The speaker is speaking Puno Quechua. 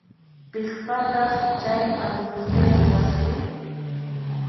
Piqpataq chay altosniyoq wasiri?